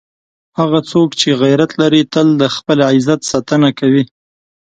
هغه څوک چې غیرت لري، تل د خپل عزت ساتنه کوي.